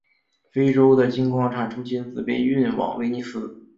非洲的金矿产出金子被运往威尼斯。